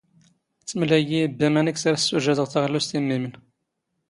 ⵜⵎⵍⴰ ⵉⵢⵉ ⵉⴱⴱⴰ ⵎⴰⵏⵉⴽ ⵙ ⴰⵔ ⵙⵙⵓⵊⴰⴷⵖ ⵜⴰⵖⵍⵓⵙⵜ ⵉⵎⵎⵉⵎⵏ.